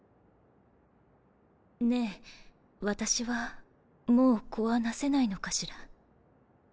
ねぇ私はもう子はなせないのかしら。